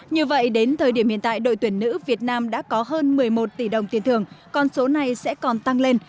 như vậy đến thời điểm hiện tại đội tuyển nữ việt nam đã có hơn một mươi một tỷ đồng tiền thưởng còn số này sẽ còn tăng lên